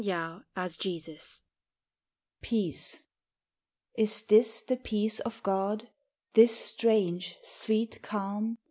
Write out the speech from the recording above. PEACE. Is this the peace of God, this strange sweet calm?